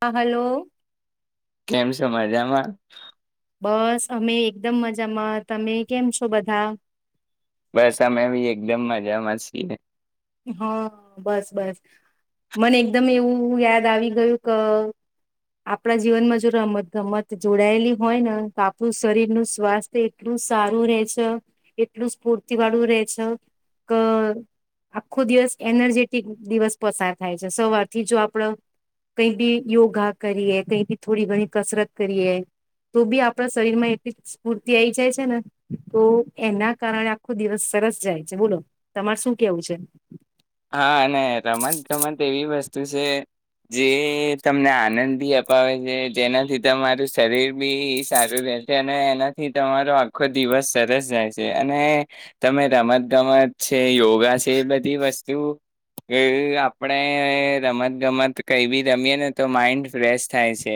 હા હલો કેમ સજ આમાં બસ અમે એકદમ મજામાં તમે કેમ છો બધા બસ અમે બી એકદમ મજામાં છીએ હા બસ બસ મને એકદમ એવું યાદ આવી ગયું કે આપણા જીવનમાં જો રમત ગમત જોડાયેલી હોય ને તો આપણું શરીરનું સ્વાસ્થ્ય એટલું સારું રે છે એટલું સ્ફૂર્તિ વાળું રહેે છે કે આખો દિવસ એનર્જેટિક દિવસ પસાર થાય છે સવારથી જો આપડ કઈ બી યોગા કરીએ કઈ બી થોડી ઘણી કસરત કરીએ તો બી આપણા શરીર માં એટલી સ્ફૂર્તિ આઈ જાય છે ને તો એના કારણે આખો દિવસ સરસ જાય છે બોલો તમારે શું કેવું છે હા અને રમત ગમત એવી વસ્તુ છે જે તમને આનંદી અપાવે છે જેનાથી તમારું શરીર બી સારું રહેશે અને એનાથી તમારો આખો દિવસ સરસ જાય છે અને તમે રમત ગમત છે યોગા છે એ બધી વસ્તુ તું આપણે રમત ગમત કઈ બી રમીએ ને તો માઈન્ડ ફ્રેશ થાય છે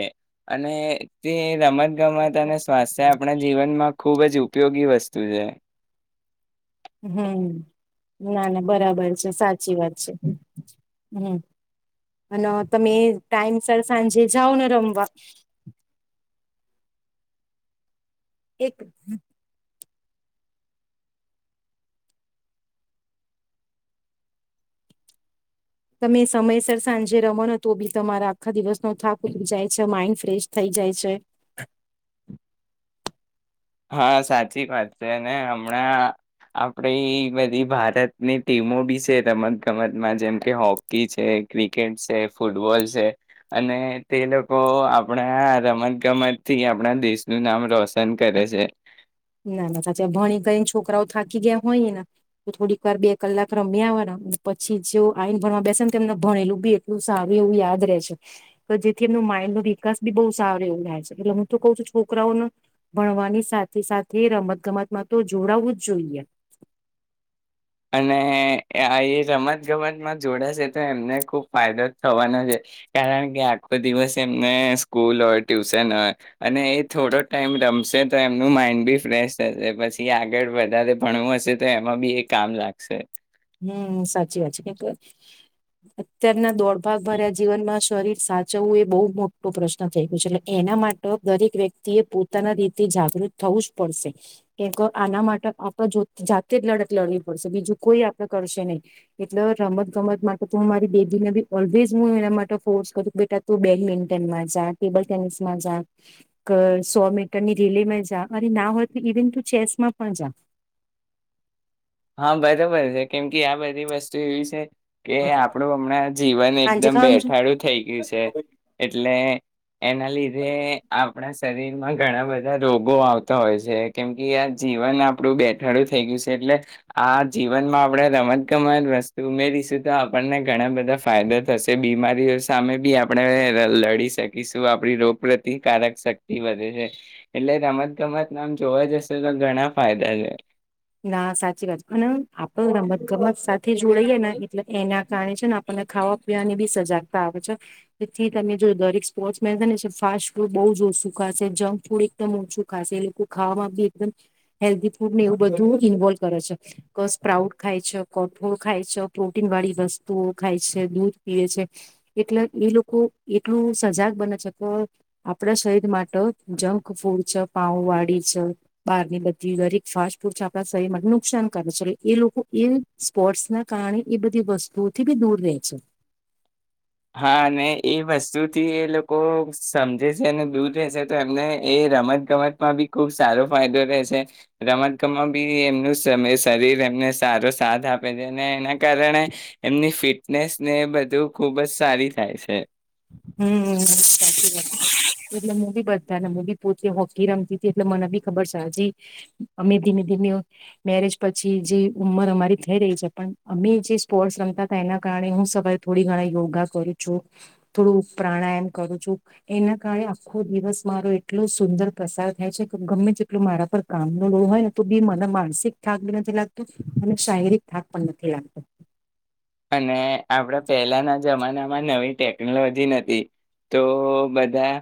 અને તે રમત ગમત અને સ્વાસ્થ્ય આપણે જીવનમાં ખૂબ જ ઉપયોગી વસ્તુ છે હમ ના ના બરાબર છે સાચી વાત છે હમ અને તમે ટાઈમ સર સાંજે જાઓ ને રમવા એક તમે સમયસર સાંજે રમનો તો બી તમારા આખા દિવસનોો થાક ઉલી જાય છે માઈન્ડ ફ્રેશ થઈ જાય છે હા સાચી વાત છે અને હમણાં આપડી બધી ભારતની ટીમો બી છે રમત ગમતમાં જેમ કે હોકી છે ક્રિકેટ છે ફૂટબોલ છે અને તે લોકો આપણા રમત ગમત થી આપણા દેશનું નામ રોશન કરે છે ના ના સાચા ભણી કરીને છોકરાઓ થાકી ગયા હોયને તો થોડીક વાર બે કલાક રમ્યા આવવાના પછી જે આઈને ભણમાં બેસે ને એને ભણેલું બી એટલું સારું એવું યાદ રહે છે તો જેથી એમનું માઇન્ડ નો વિકાસ બી બહ સારો એવું રહેાય છે એટલે હું તો કઉ છું છોકરાઓને ભણવાની સાથે તે રમત ગમત માં તો જોડાવું જ જોઈએ અને એ રમત ગમતમાં જોડાશે તો એમને ખુબ ફાયદો થવાનો છે કારણ કે આખો દિવસ એમને સ્કૂલ હોય ટ્યુશન હોય અને એ થોડો ટાઈમ રમશે તો એમનું માઇન્ડ બી ફ્રેશ થશે પછી આગળ વધારે ભણવું હશે તો એમાં બી કામ લાગશે હમ સાચી વાત છે કે અત્યારના દોડભાગ ભર્યા જીવનમાં શરીર સાચવવું એ બહુ મોટો પ્રશ્ન થઈ ગયું છે એટલે એના માટે દરેક વ્યક્તિ એ પોતાના રીતે જાગૃત થવું જ પડશે કેમક આના માટે આપણે જાતે જ લડત લડવી પડશે બીજું કોઈ કરશે નહી એટલે રમત ગમત માટે ત મારી બેબીને બી ઓલવેઝ હું એના માટે ફોર્સ કર બેટા તું બેડમિન્ટનમાં જા ટેબલ ટેનિસમાં જા સો મીટર ની રેલીમાં જા અને ના હોય તો ઇવન તું ચેસમાં પણ જા હા બરોબર છે કેમ કે આ બધી વસ્તુ એવી છે કે આપણું હમણાં જીવન સાંજે એકદમ ખાવાનું છે બેઠાડું થઈ ગયું છે એટલે એના લીધે આપણા સરી ઘણા બધા રોગો આવતા હોય છે કેમ કે આ જીવન આપડું બેઠાડું થઈ ગયું છે એટલે આ જીવનમાં આપણે રમતગમત વસ્તુ ઉમેરીશું તો આપણને ઘણા બધા ફાયદા થશે બીમારીઓ સામે બી આપણે લડી શકીશું આપણી રોગ પ્રતિકારક શક્તિ વધે છે એટલે રમત ગમત નામ જોવા જશે તો ઘણા ફાયદા છે ના સાચી વાત અને આપે રમત ગમત સાથે જોડાઈએ ને એટલે એના કારણે છે ને આપણને ખાવા પીવાની બી સજાગતા આવે છે જેથી તમે જો દરેક સ્પોર્ટ્સ મેનને ફાસ્ટ ફૂડ બહ જ ઓછું ખાશે જંક ફૂડ એકદમ ઓછું ખાશે એ લોકો ખાવામાં બી એકમ હેલ્ધી ફૂડ ને એવ બધું ઇન્વોલ્વ કરે છે કે સ્પ્રાઉટ ખાય છે કોઠોળ ખાય છે પ્રોટીન વાળી વસ્તુઓ ખાય છે દૂધ પીવે છે એટલે એ લોકો એટલું સજાગ બને છે કે આપણા શરીર માટે જંક ફૂડ છે પાઉ વાળી છે બહારની બધી દરેક ફાસ્ટ આપણા શરીર માટે નુકસાન કરે છે એટલે એ લોકો એ સ્પોર્ટ્સ ના કારણે એ બધી વસ્તુઓથી બી દૂર રહે છે હા એ વસ્તુથી એ લોકો સમજે છે અને દૂર રહે છે તો એમને એ રમત ગમતમાં બી ખૂબ સારો ફાયદો રહે છે રમત ગમત બી એમનું શરીર એમને સારો સાથ આપે છે અને એના કારણે એમની ફિટનેસને બધું ખુબ જ સારી થાય છે હમ સાચી વાત એટલે હું બી બધા ને હું બી પોતે હોકી રમતી હતી એટલે મને બી ખબર છે હજી અમે ધીમે ધીમે મેરેજ પછી જે ઉંમર અમારી થઈ રહી છે પણ અમે જે સ્પોર્ટ્સ રમતા હતા એના કારણે હું સવારે થોડી ઘણા યોગા કરું છું થોડું પ્રાણાયામ કરું છું એના કારણે આખો દિવસ મારો એટલો સુંદર પ્રસાર થાય છે કે ગમે તેટલો મારા પર કામનો લો હોય ને તો બી મને માનસિક થાક બી નથી લાગતો અને શારીરિક થાક પણ નથી લાગતો અને આપડા પહેલાના જમાનામાં નવી ટેકનોલોજી નથી તો બધા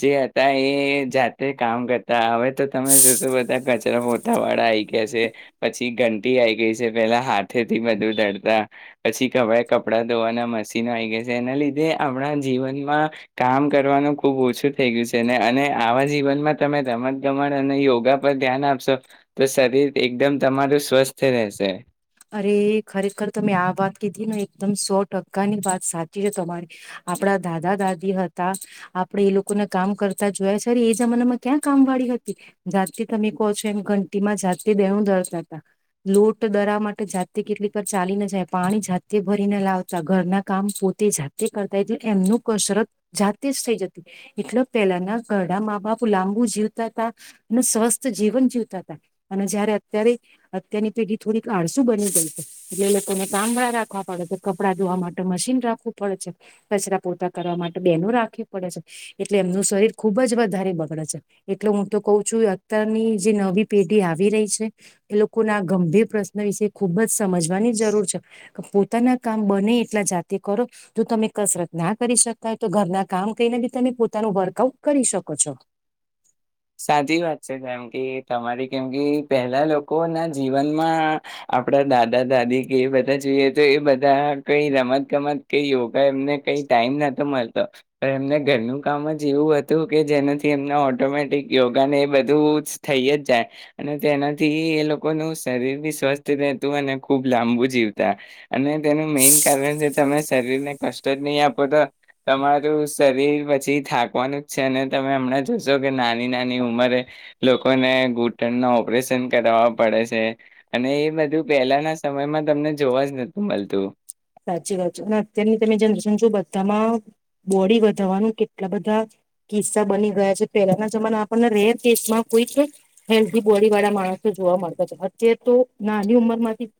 જે હતા એ જાતે કામ કરતા હવે તો તમે શ શું બધા મોતાા વાળા આઈ ગયા છે પછી ઘંટી આઈ ગઈ છે પેલા હાથે થી બધું દડતા પછી કપડાં ધોવાના મશીનો આવી ગયા છે એના લીધે આપણા જીવનમાં કામ કરવાનું ખૂબ ઓછું થઈ ગયું છે ને અને આવા જીવનમાં તમે રમત ગમત અને યોગા પર ધ્યાન આપશો તો શરીર એકદમ તમારું સ્વસ્થ રહેશે અરે ખરેખર તમે આ વાત કીધી ને એકદમ સો ટકા ની વાત સાચી છે તમારી આપડા દાદા દાદી હતા આપડે એ લોકોને કામ કરતા જોયા છે અરે એ જમાનામાં ક્યાં કામ વાળી હતી જાતે તમે કહો છો એમ ઘંટીમાં જાતે દેણું દરતા હતા લોટ દરા માટે જાતે કેટલી પર ચાલી ના જાય પાણી જાતે ભરીને લાવતા ઘરના કામ પોતે જાતે કરતા એટલે એમનું કસરત જાતે જ થઈ જતી એટલે પેલાના ઘરડા મા બાપ લાંબુ જીવતા ત અને સ્વસ્થ જીવન જીવતા હતા અને જયારે અત્યારે અત્યારની પેઢી થોડીક આડ શું બની ગયું છે એટલે લોકોને કામડા રાખવા પડે છે કપડા ધોવા માટે મશીન રાખવું પડે છે કચરા પૂરતા કરવા માટે બેનો રાખવી પડે છે એટલે એમનું શરીર ખુબ જ વધારે બગડે છે એટલે હું તો કઉ છું અત્યારની જે નવી પેઢી આવી રહી છે એ લોકોને આ ગંભીર પ્રશ ના વિશે ખૂબ જ સમજવાની જરૂર છે પોતાના કામ બને એટલા જાતે કરો જો તમે કસરત ના કરી શકાય તો ઘરના કામ કરીહીને બી તમે પોતાનું વર્કઆઉટ કરી શકો છો સાચી વાત છે જેમ કે તમારી કેમ કે પહેલા લોકોના જીવનમાં આપડા દાદા દાદી કે બધા જોઈએ તો એ બધા કઈ રમત ગમત કે યોગા એમને કઈ ટાઈમ નતો મળતો પણ એમને ઘરનું કામ જ એવું હતું કે જેનાથી એમને ઓટોમેટિક યોગા ને એ બધું થઈ જ જાય અને તેનાથી એ લોકોનું શરીર બી સ્વસ્થ રહેતું અને ખૂબ લાંબુ જીવતા અને તેનું મેઈન કારણ જે તમે શરીરને કષ્ટ જ નહીં આપો તો તમારું શરીર પછી થાકવાનું જ છે અને તમે હમણાં જોશો કે ના નાની નાની ઉંમરે લોકોને ઘૂટણના ઓપરેશન કર પડે છે અને એ બધું પેલાના સમયમાં તમને જોવા જ નતું મળતું સાચી વાત છે અને અત્યારની તમે જનરેશન જો બધામાં બોડી વધારવાનું કેટલા બધા કિસ્સા બની ગયા છે પેલાના જમાના આપણને રેર કેસમાં કોઈક હેલ્ધી બોડી વાળા માણસ જોવા મળતા છે અત્યારે તો નાની ઉંમર માંથી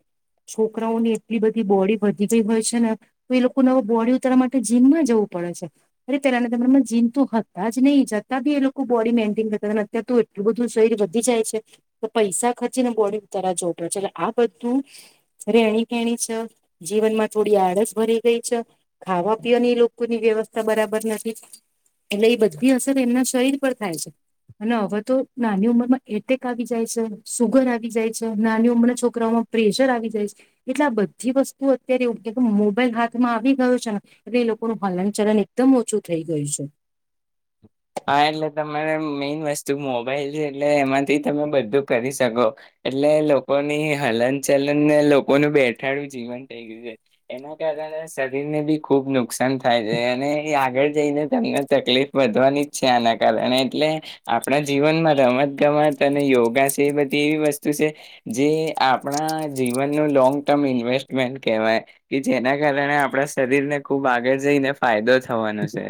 છોકરાઓની એટલી બધી બોડી વધી ગઈ હોય છે ને તો એ લોકો ન બોડી ઉતારવા માટે જીમમાં જવું પડે છે અરે પેલાના તમામનામાં જીમ તો હતા જ નહી જતાં બી એ લોકો બોડી મેન્ટેન કરતા હતા અત્યાર તો એટલું બધું શરીર વધી જાય છે તો પૈસા ખર્ચીને બોડી ઉતારવા જોવું પડે છે એટલે આ બધું રેણી કેણી છે જીવનમાં થોડી આળસ ભરી ગઈ છે ખાવા પીવાની એ લોકોની વ્યવસ્થા બરાબર નથી એટલે એ બધી અસર એમના શરીર પર થાય છે અને હવે તો નાની ઉંમરમાં એટેક આવી જાય છે સુુગર આવી જાય છે નાની ઉંમરના છોકરાઓમાં પ્રેશર આવી જાય છે એટલે આ બધી વસ્તુ તું અત્યારે એવું મોબાઈલ હાથમાં આવી ગયો છે ને એટલે એ લોકોનું હલન ચલન એકદમ ઓછું થઈ ગયું છે હા એટલે તમારે મેઈન વસ્તુ મોબાઈલ છે એટલે એમાંથી તમે બધું કરી શકો એટલે લોકોની હલન ચલન ને લોકોનું બેઠાડું જીવન થઇ ગયું છે એના કારણે શરીર ને બી ખુબ નુ નુકસાન થાય છે અને એ આગળ જઈને તમને તકલીફ વધવાની છે આના કારણે એટલે આપણા જીવનમાં રમત ગમત અને યોગા છે એ બધી એવી વસ્તુ છે જે આપણા જીવનનું લોંગ ટર્મ ઇન્વેસ્ટમેન્ટ કહેવાય કે જેના કારણે આપણા શરીરને ખૂબ આગળ જઈને ફાયદો થવાનો છે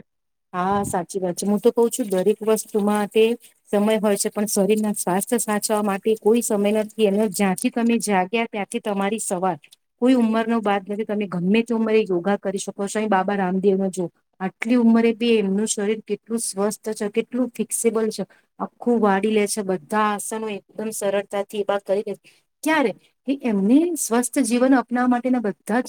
હા સાચી વાત છે હું તો કહ છું દરેક વસ્તુમાં તે સમય હોય છે પણ શરીરના સ્વાસ્થ્ય સાચવવા માટે કોઈ સમય નથી અને જ્યાંથી તમે જાગ્યા ત્યાંથી તમારી સવાર કોઈ ઉંમરનો બાદ નથી તમે ગમે તે ઉંમરે યોગા કરી શકો છો અહી બાબા રામદેવને જો આટલી ઉંમરે એમનું શરીર કેટલું સ્વસ્થ છે કેટલું ફિકસેબલ છે આખું વાળી લે છે બધા આસનો એકદમ સરળતાથી એ બ કરી દે છે ક્યારે એ એમને સ્વસ્થ જીવન અપનાવવા માટેના બધા જ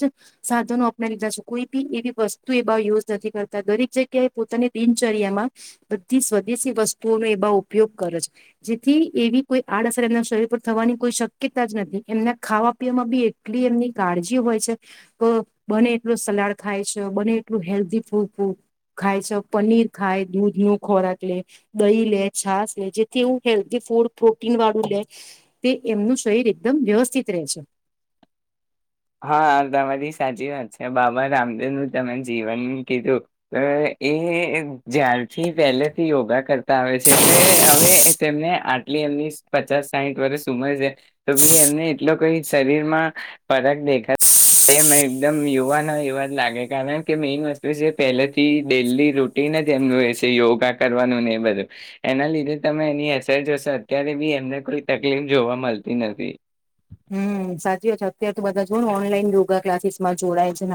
સાધનો અપનાવી દીધા છે કોઈ બી એવી વસ્તુ એ બ યુઝ નથી કરતા દરેક જગ્યા એ પોતાની દિનચર્યામાં બધી સ્વદેશી વસ્તુઓનો એ ઉપયોગ કરે છે જેથી એવી કોઈ આડઅસર એમના શરીર પર થવાની કોઈ શક્યતા જ નથી એમના ખાવા પીવામાં બી એટલી એમની કાળજી હોય છે તો બને એટલોું સલાડ ખાય છે બને એટલું હેલ્ધી ફૂ ફ ખાય છે પનીર ખાય દૂધ ન ખોરાક લે દહી લે છાસ લે જેથી એવું હેલ્ધ ફૂડ પ્રોટીન વાળું લે તે એમનું શરીર એકદમ વ્યવસ્થિત રહે છે હા તમારી સાચી વાત છે બાબા રામદેવ નું તમે જીવન કીધું એ જ્યારથી પહેલેથી યોગા કરતા હોય છે એટલે હવે તેમને આટલી એમની પચાસ સાહીઠ વર્ષ ઉમર છે તો બી એમને એટલો કઈ શરીરમાં ફરક દેખા એકદમ યુવાનો યુવા જ લાગે કારણ કે મેન વસ્તુ છે પહેલેથી ડેલી રૂટીન જ એમનું એશે યોગા કરવાનું ને એ બધું એના લીધે તમે એની અસર જોશો અત્યારે બી એમને કોઈ તકલીફ જોવા મળતી નથી હમ સાચી વાત છે અત્યારે તો બધા જો ને ઓનલાઈન યોગા ક્લાસીસમાં જોડાય છે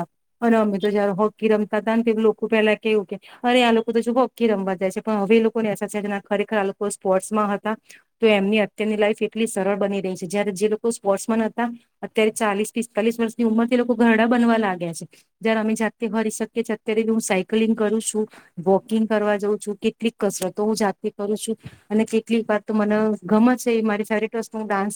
અને અમે તો જયારે હોકી રમતા હતા ને તો લોકો પેલા કેવું કે અરે આ લોકો તો જો હોકી રમવા જાય છે પણ હવે એ લોકો નેા ખરેખર આ લોકો સ્પોર્ટ્સમાં હતા તો એમની અત્યારની લાઈફ એટલી સરળ બની રહી છે જયારે જે લોકો સ્પોર્ટ્સમેન હતા અત્યારે ચાલીસ પિસ્તાલીસ વર્ષની ઉંમર થી લોકો ઘરડા બનવા લાગ્યા છે જયારે અમે જાતે ફરી શકીએીએ અત્યારે હું સાયકલિંગ કરું છું વોકિંગ કરવા જઉં છું કેટલીક કસરતો હું જાતે કરું છું અને કેટલીક વાત તો મને ગમત છે મારી ફેવરટ વસ્તુ હું ડાન્સ